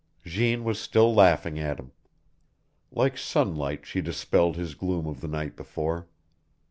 Jeanne was still laughing at him. Like sunlight she dispelled his gloom of the night before.